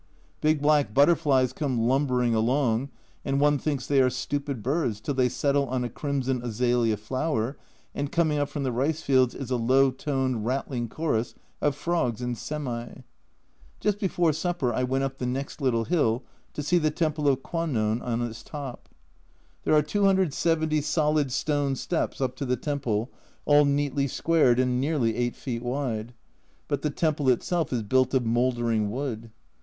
Big black butter flies come lumbering along, and one thinks they are stupid birds till they settle on a crimson azalea flower, and coming up from the rice fields is a low toned rattling chorus of frogs and semi. Just before supper I went up the next little hill to see the temple of Kwannon on its top. There are 270 solid stone steps up to the temple, all neatly squared and nearly 8 feet wide but the temple itself is built of mouldering wood.